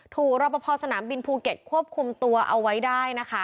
ถูกรับประพาสนามบินภูเก็ตควบคุมตัวเอาไว้ได้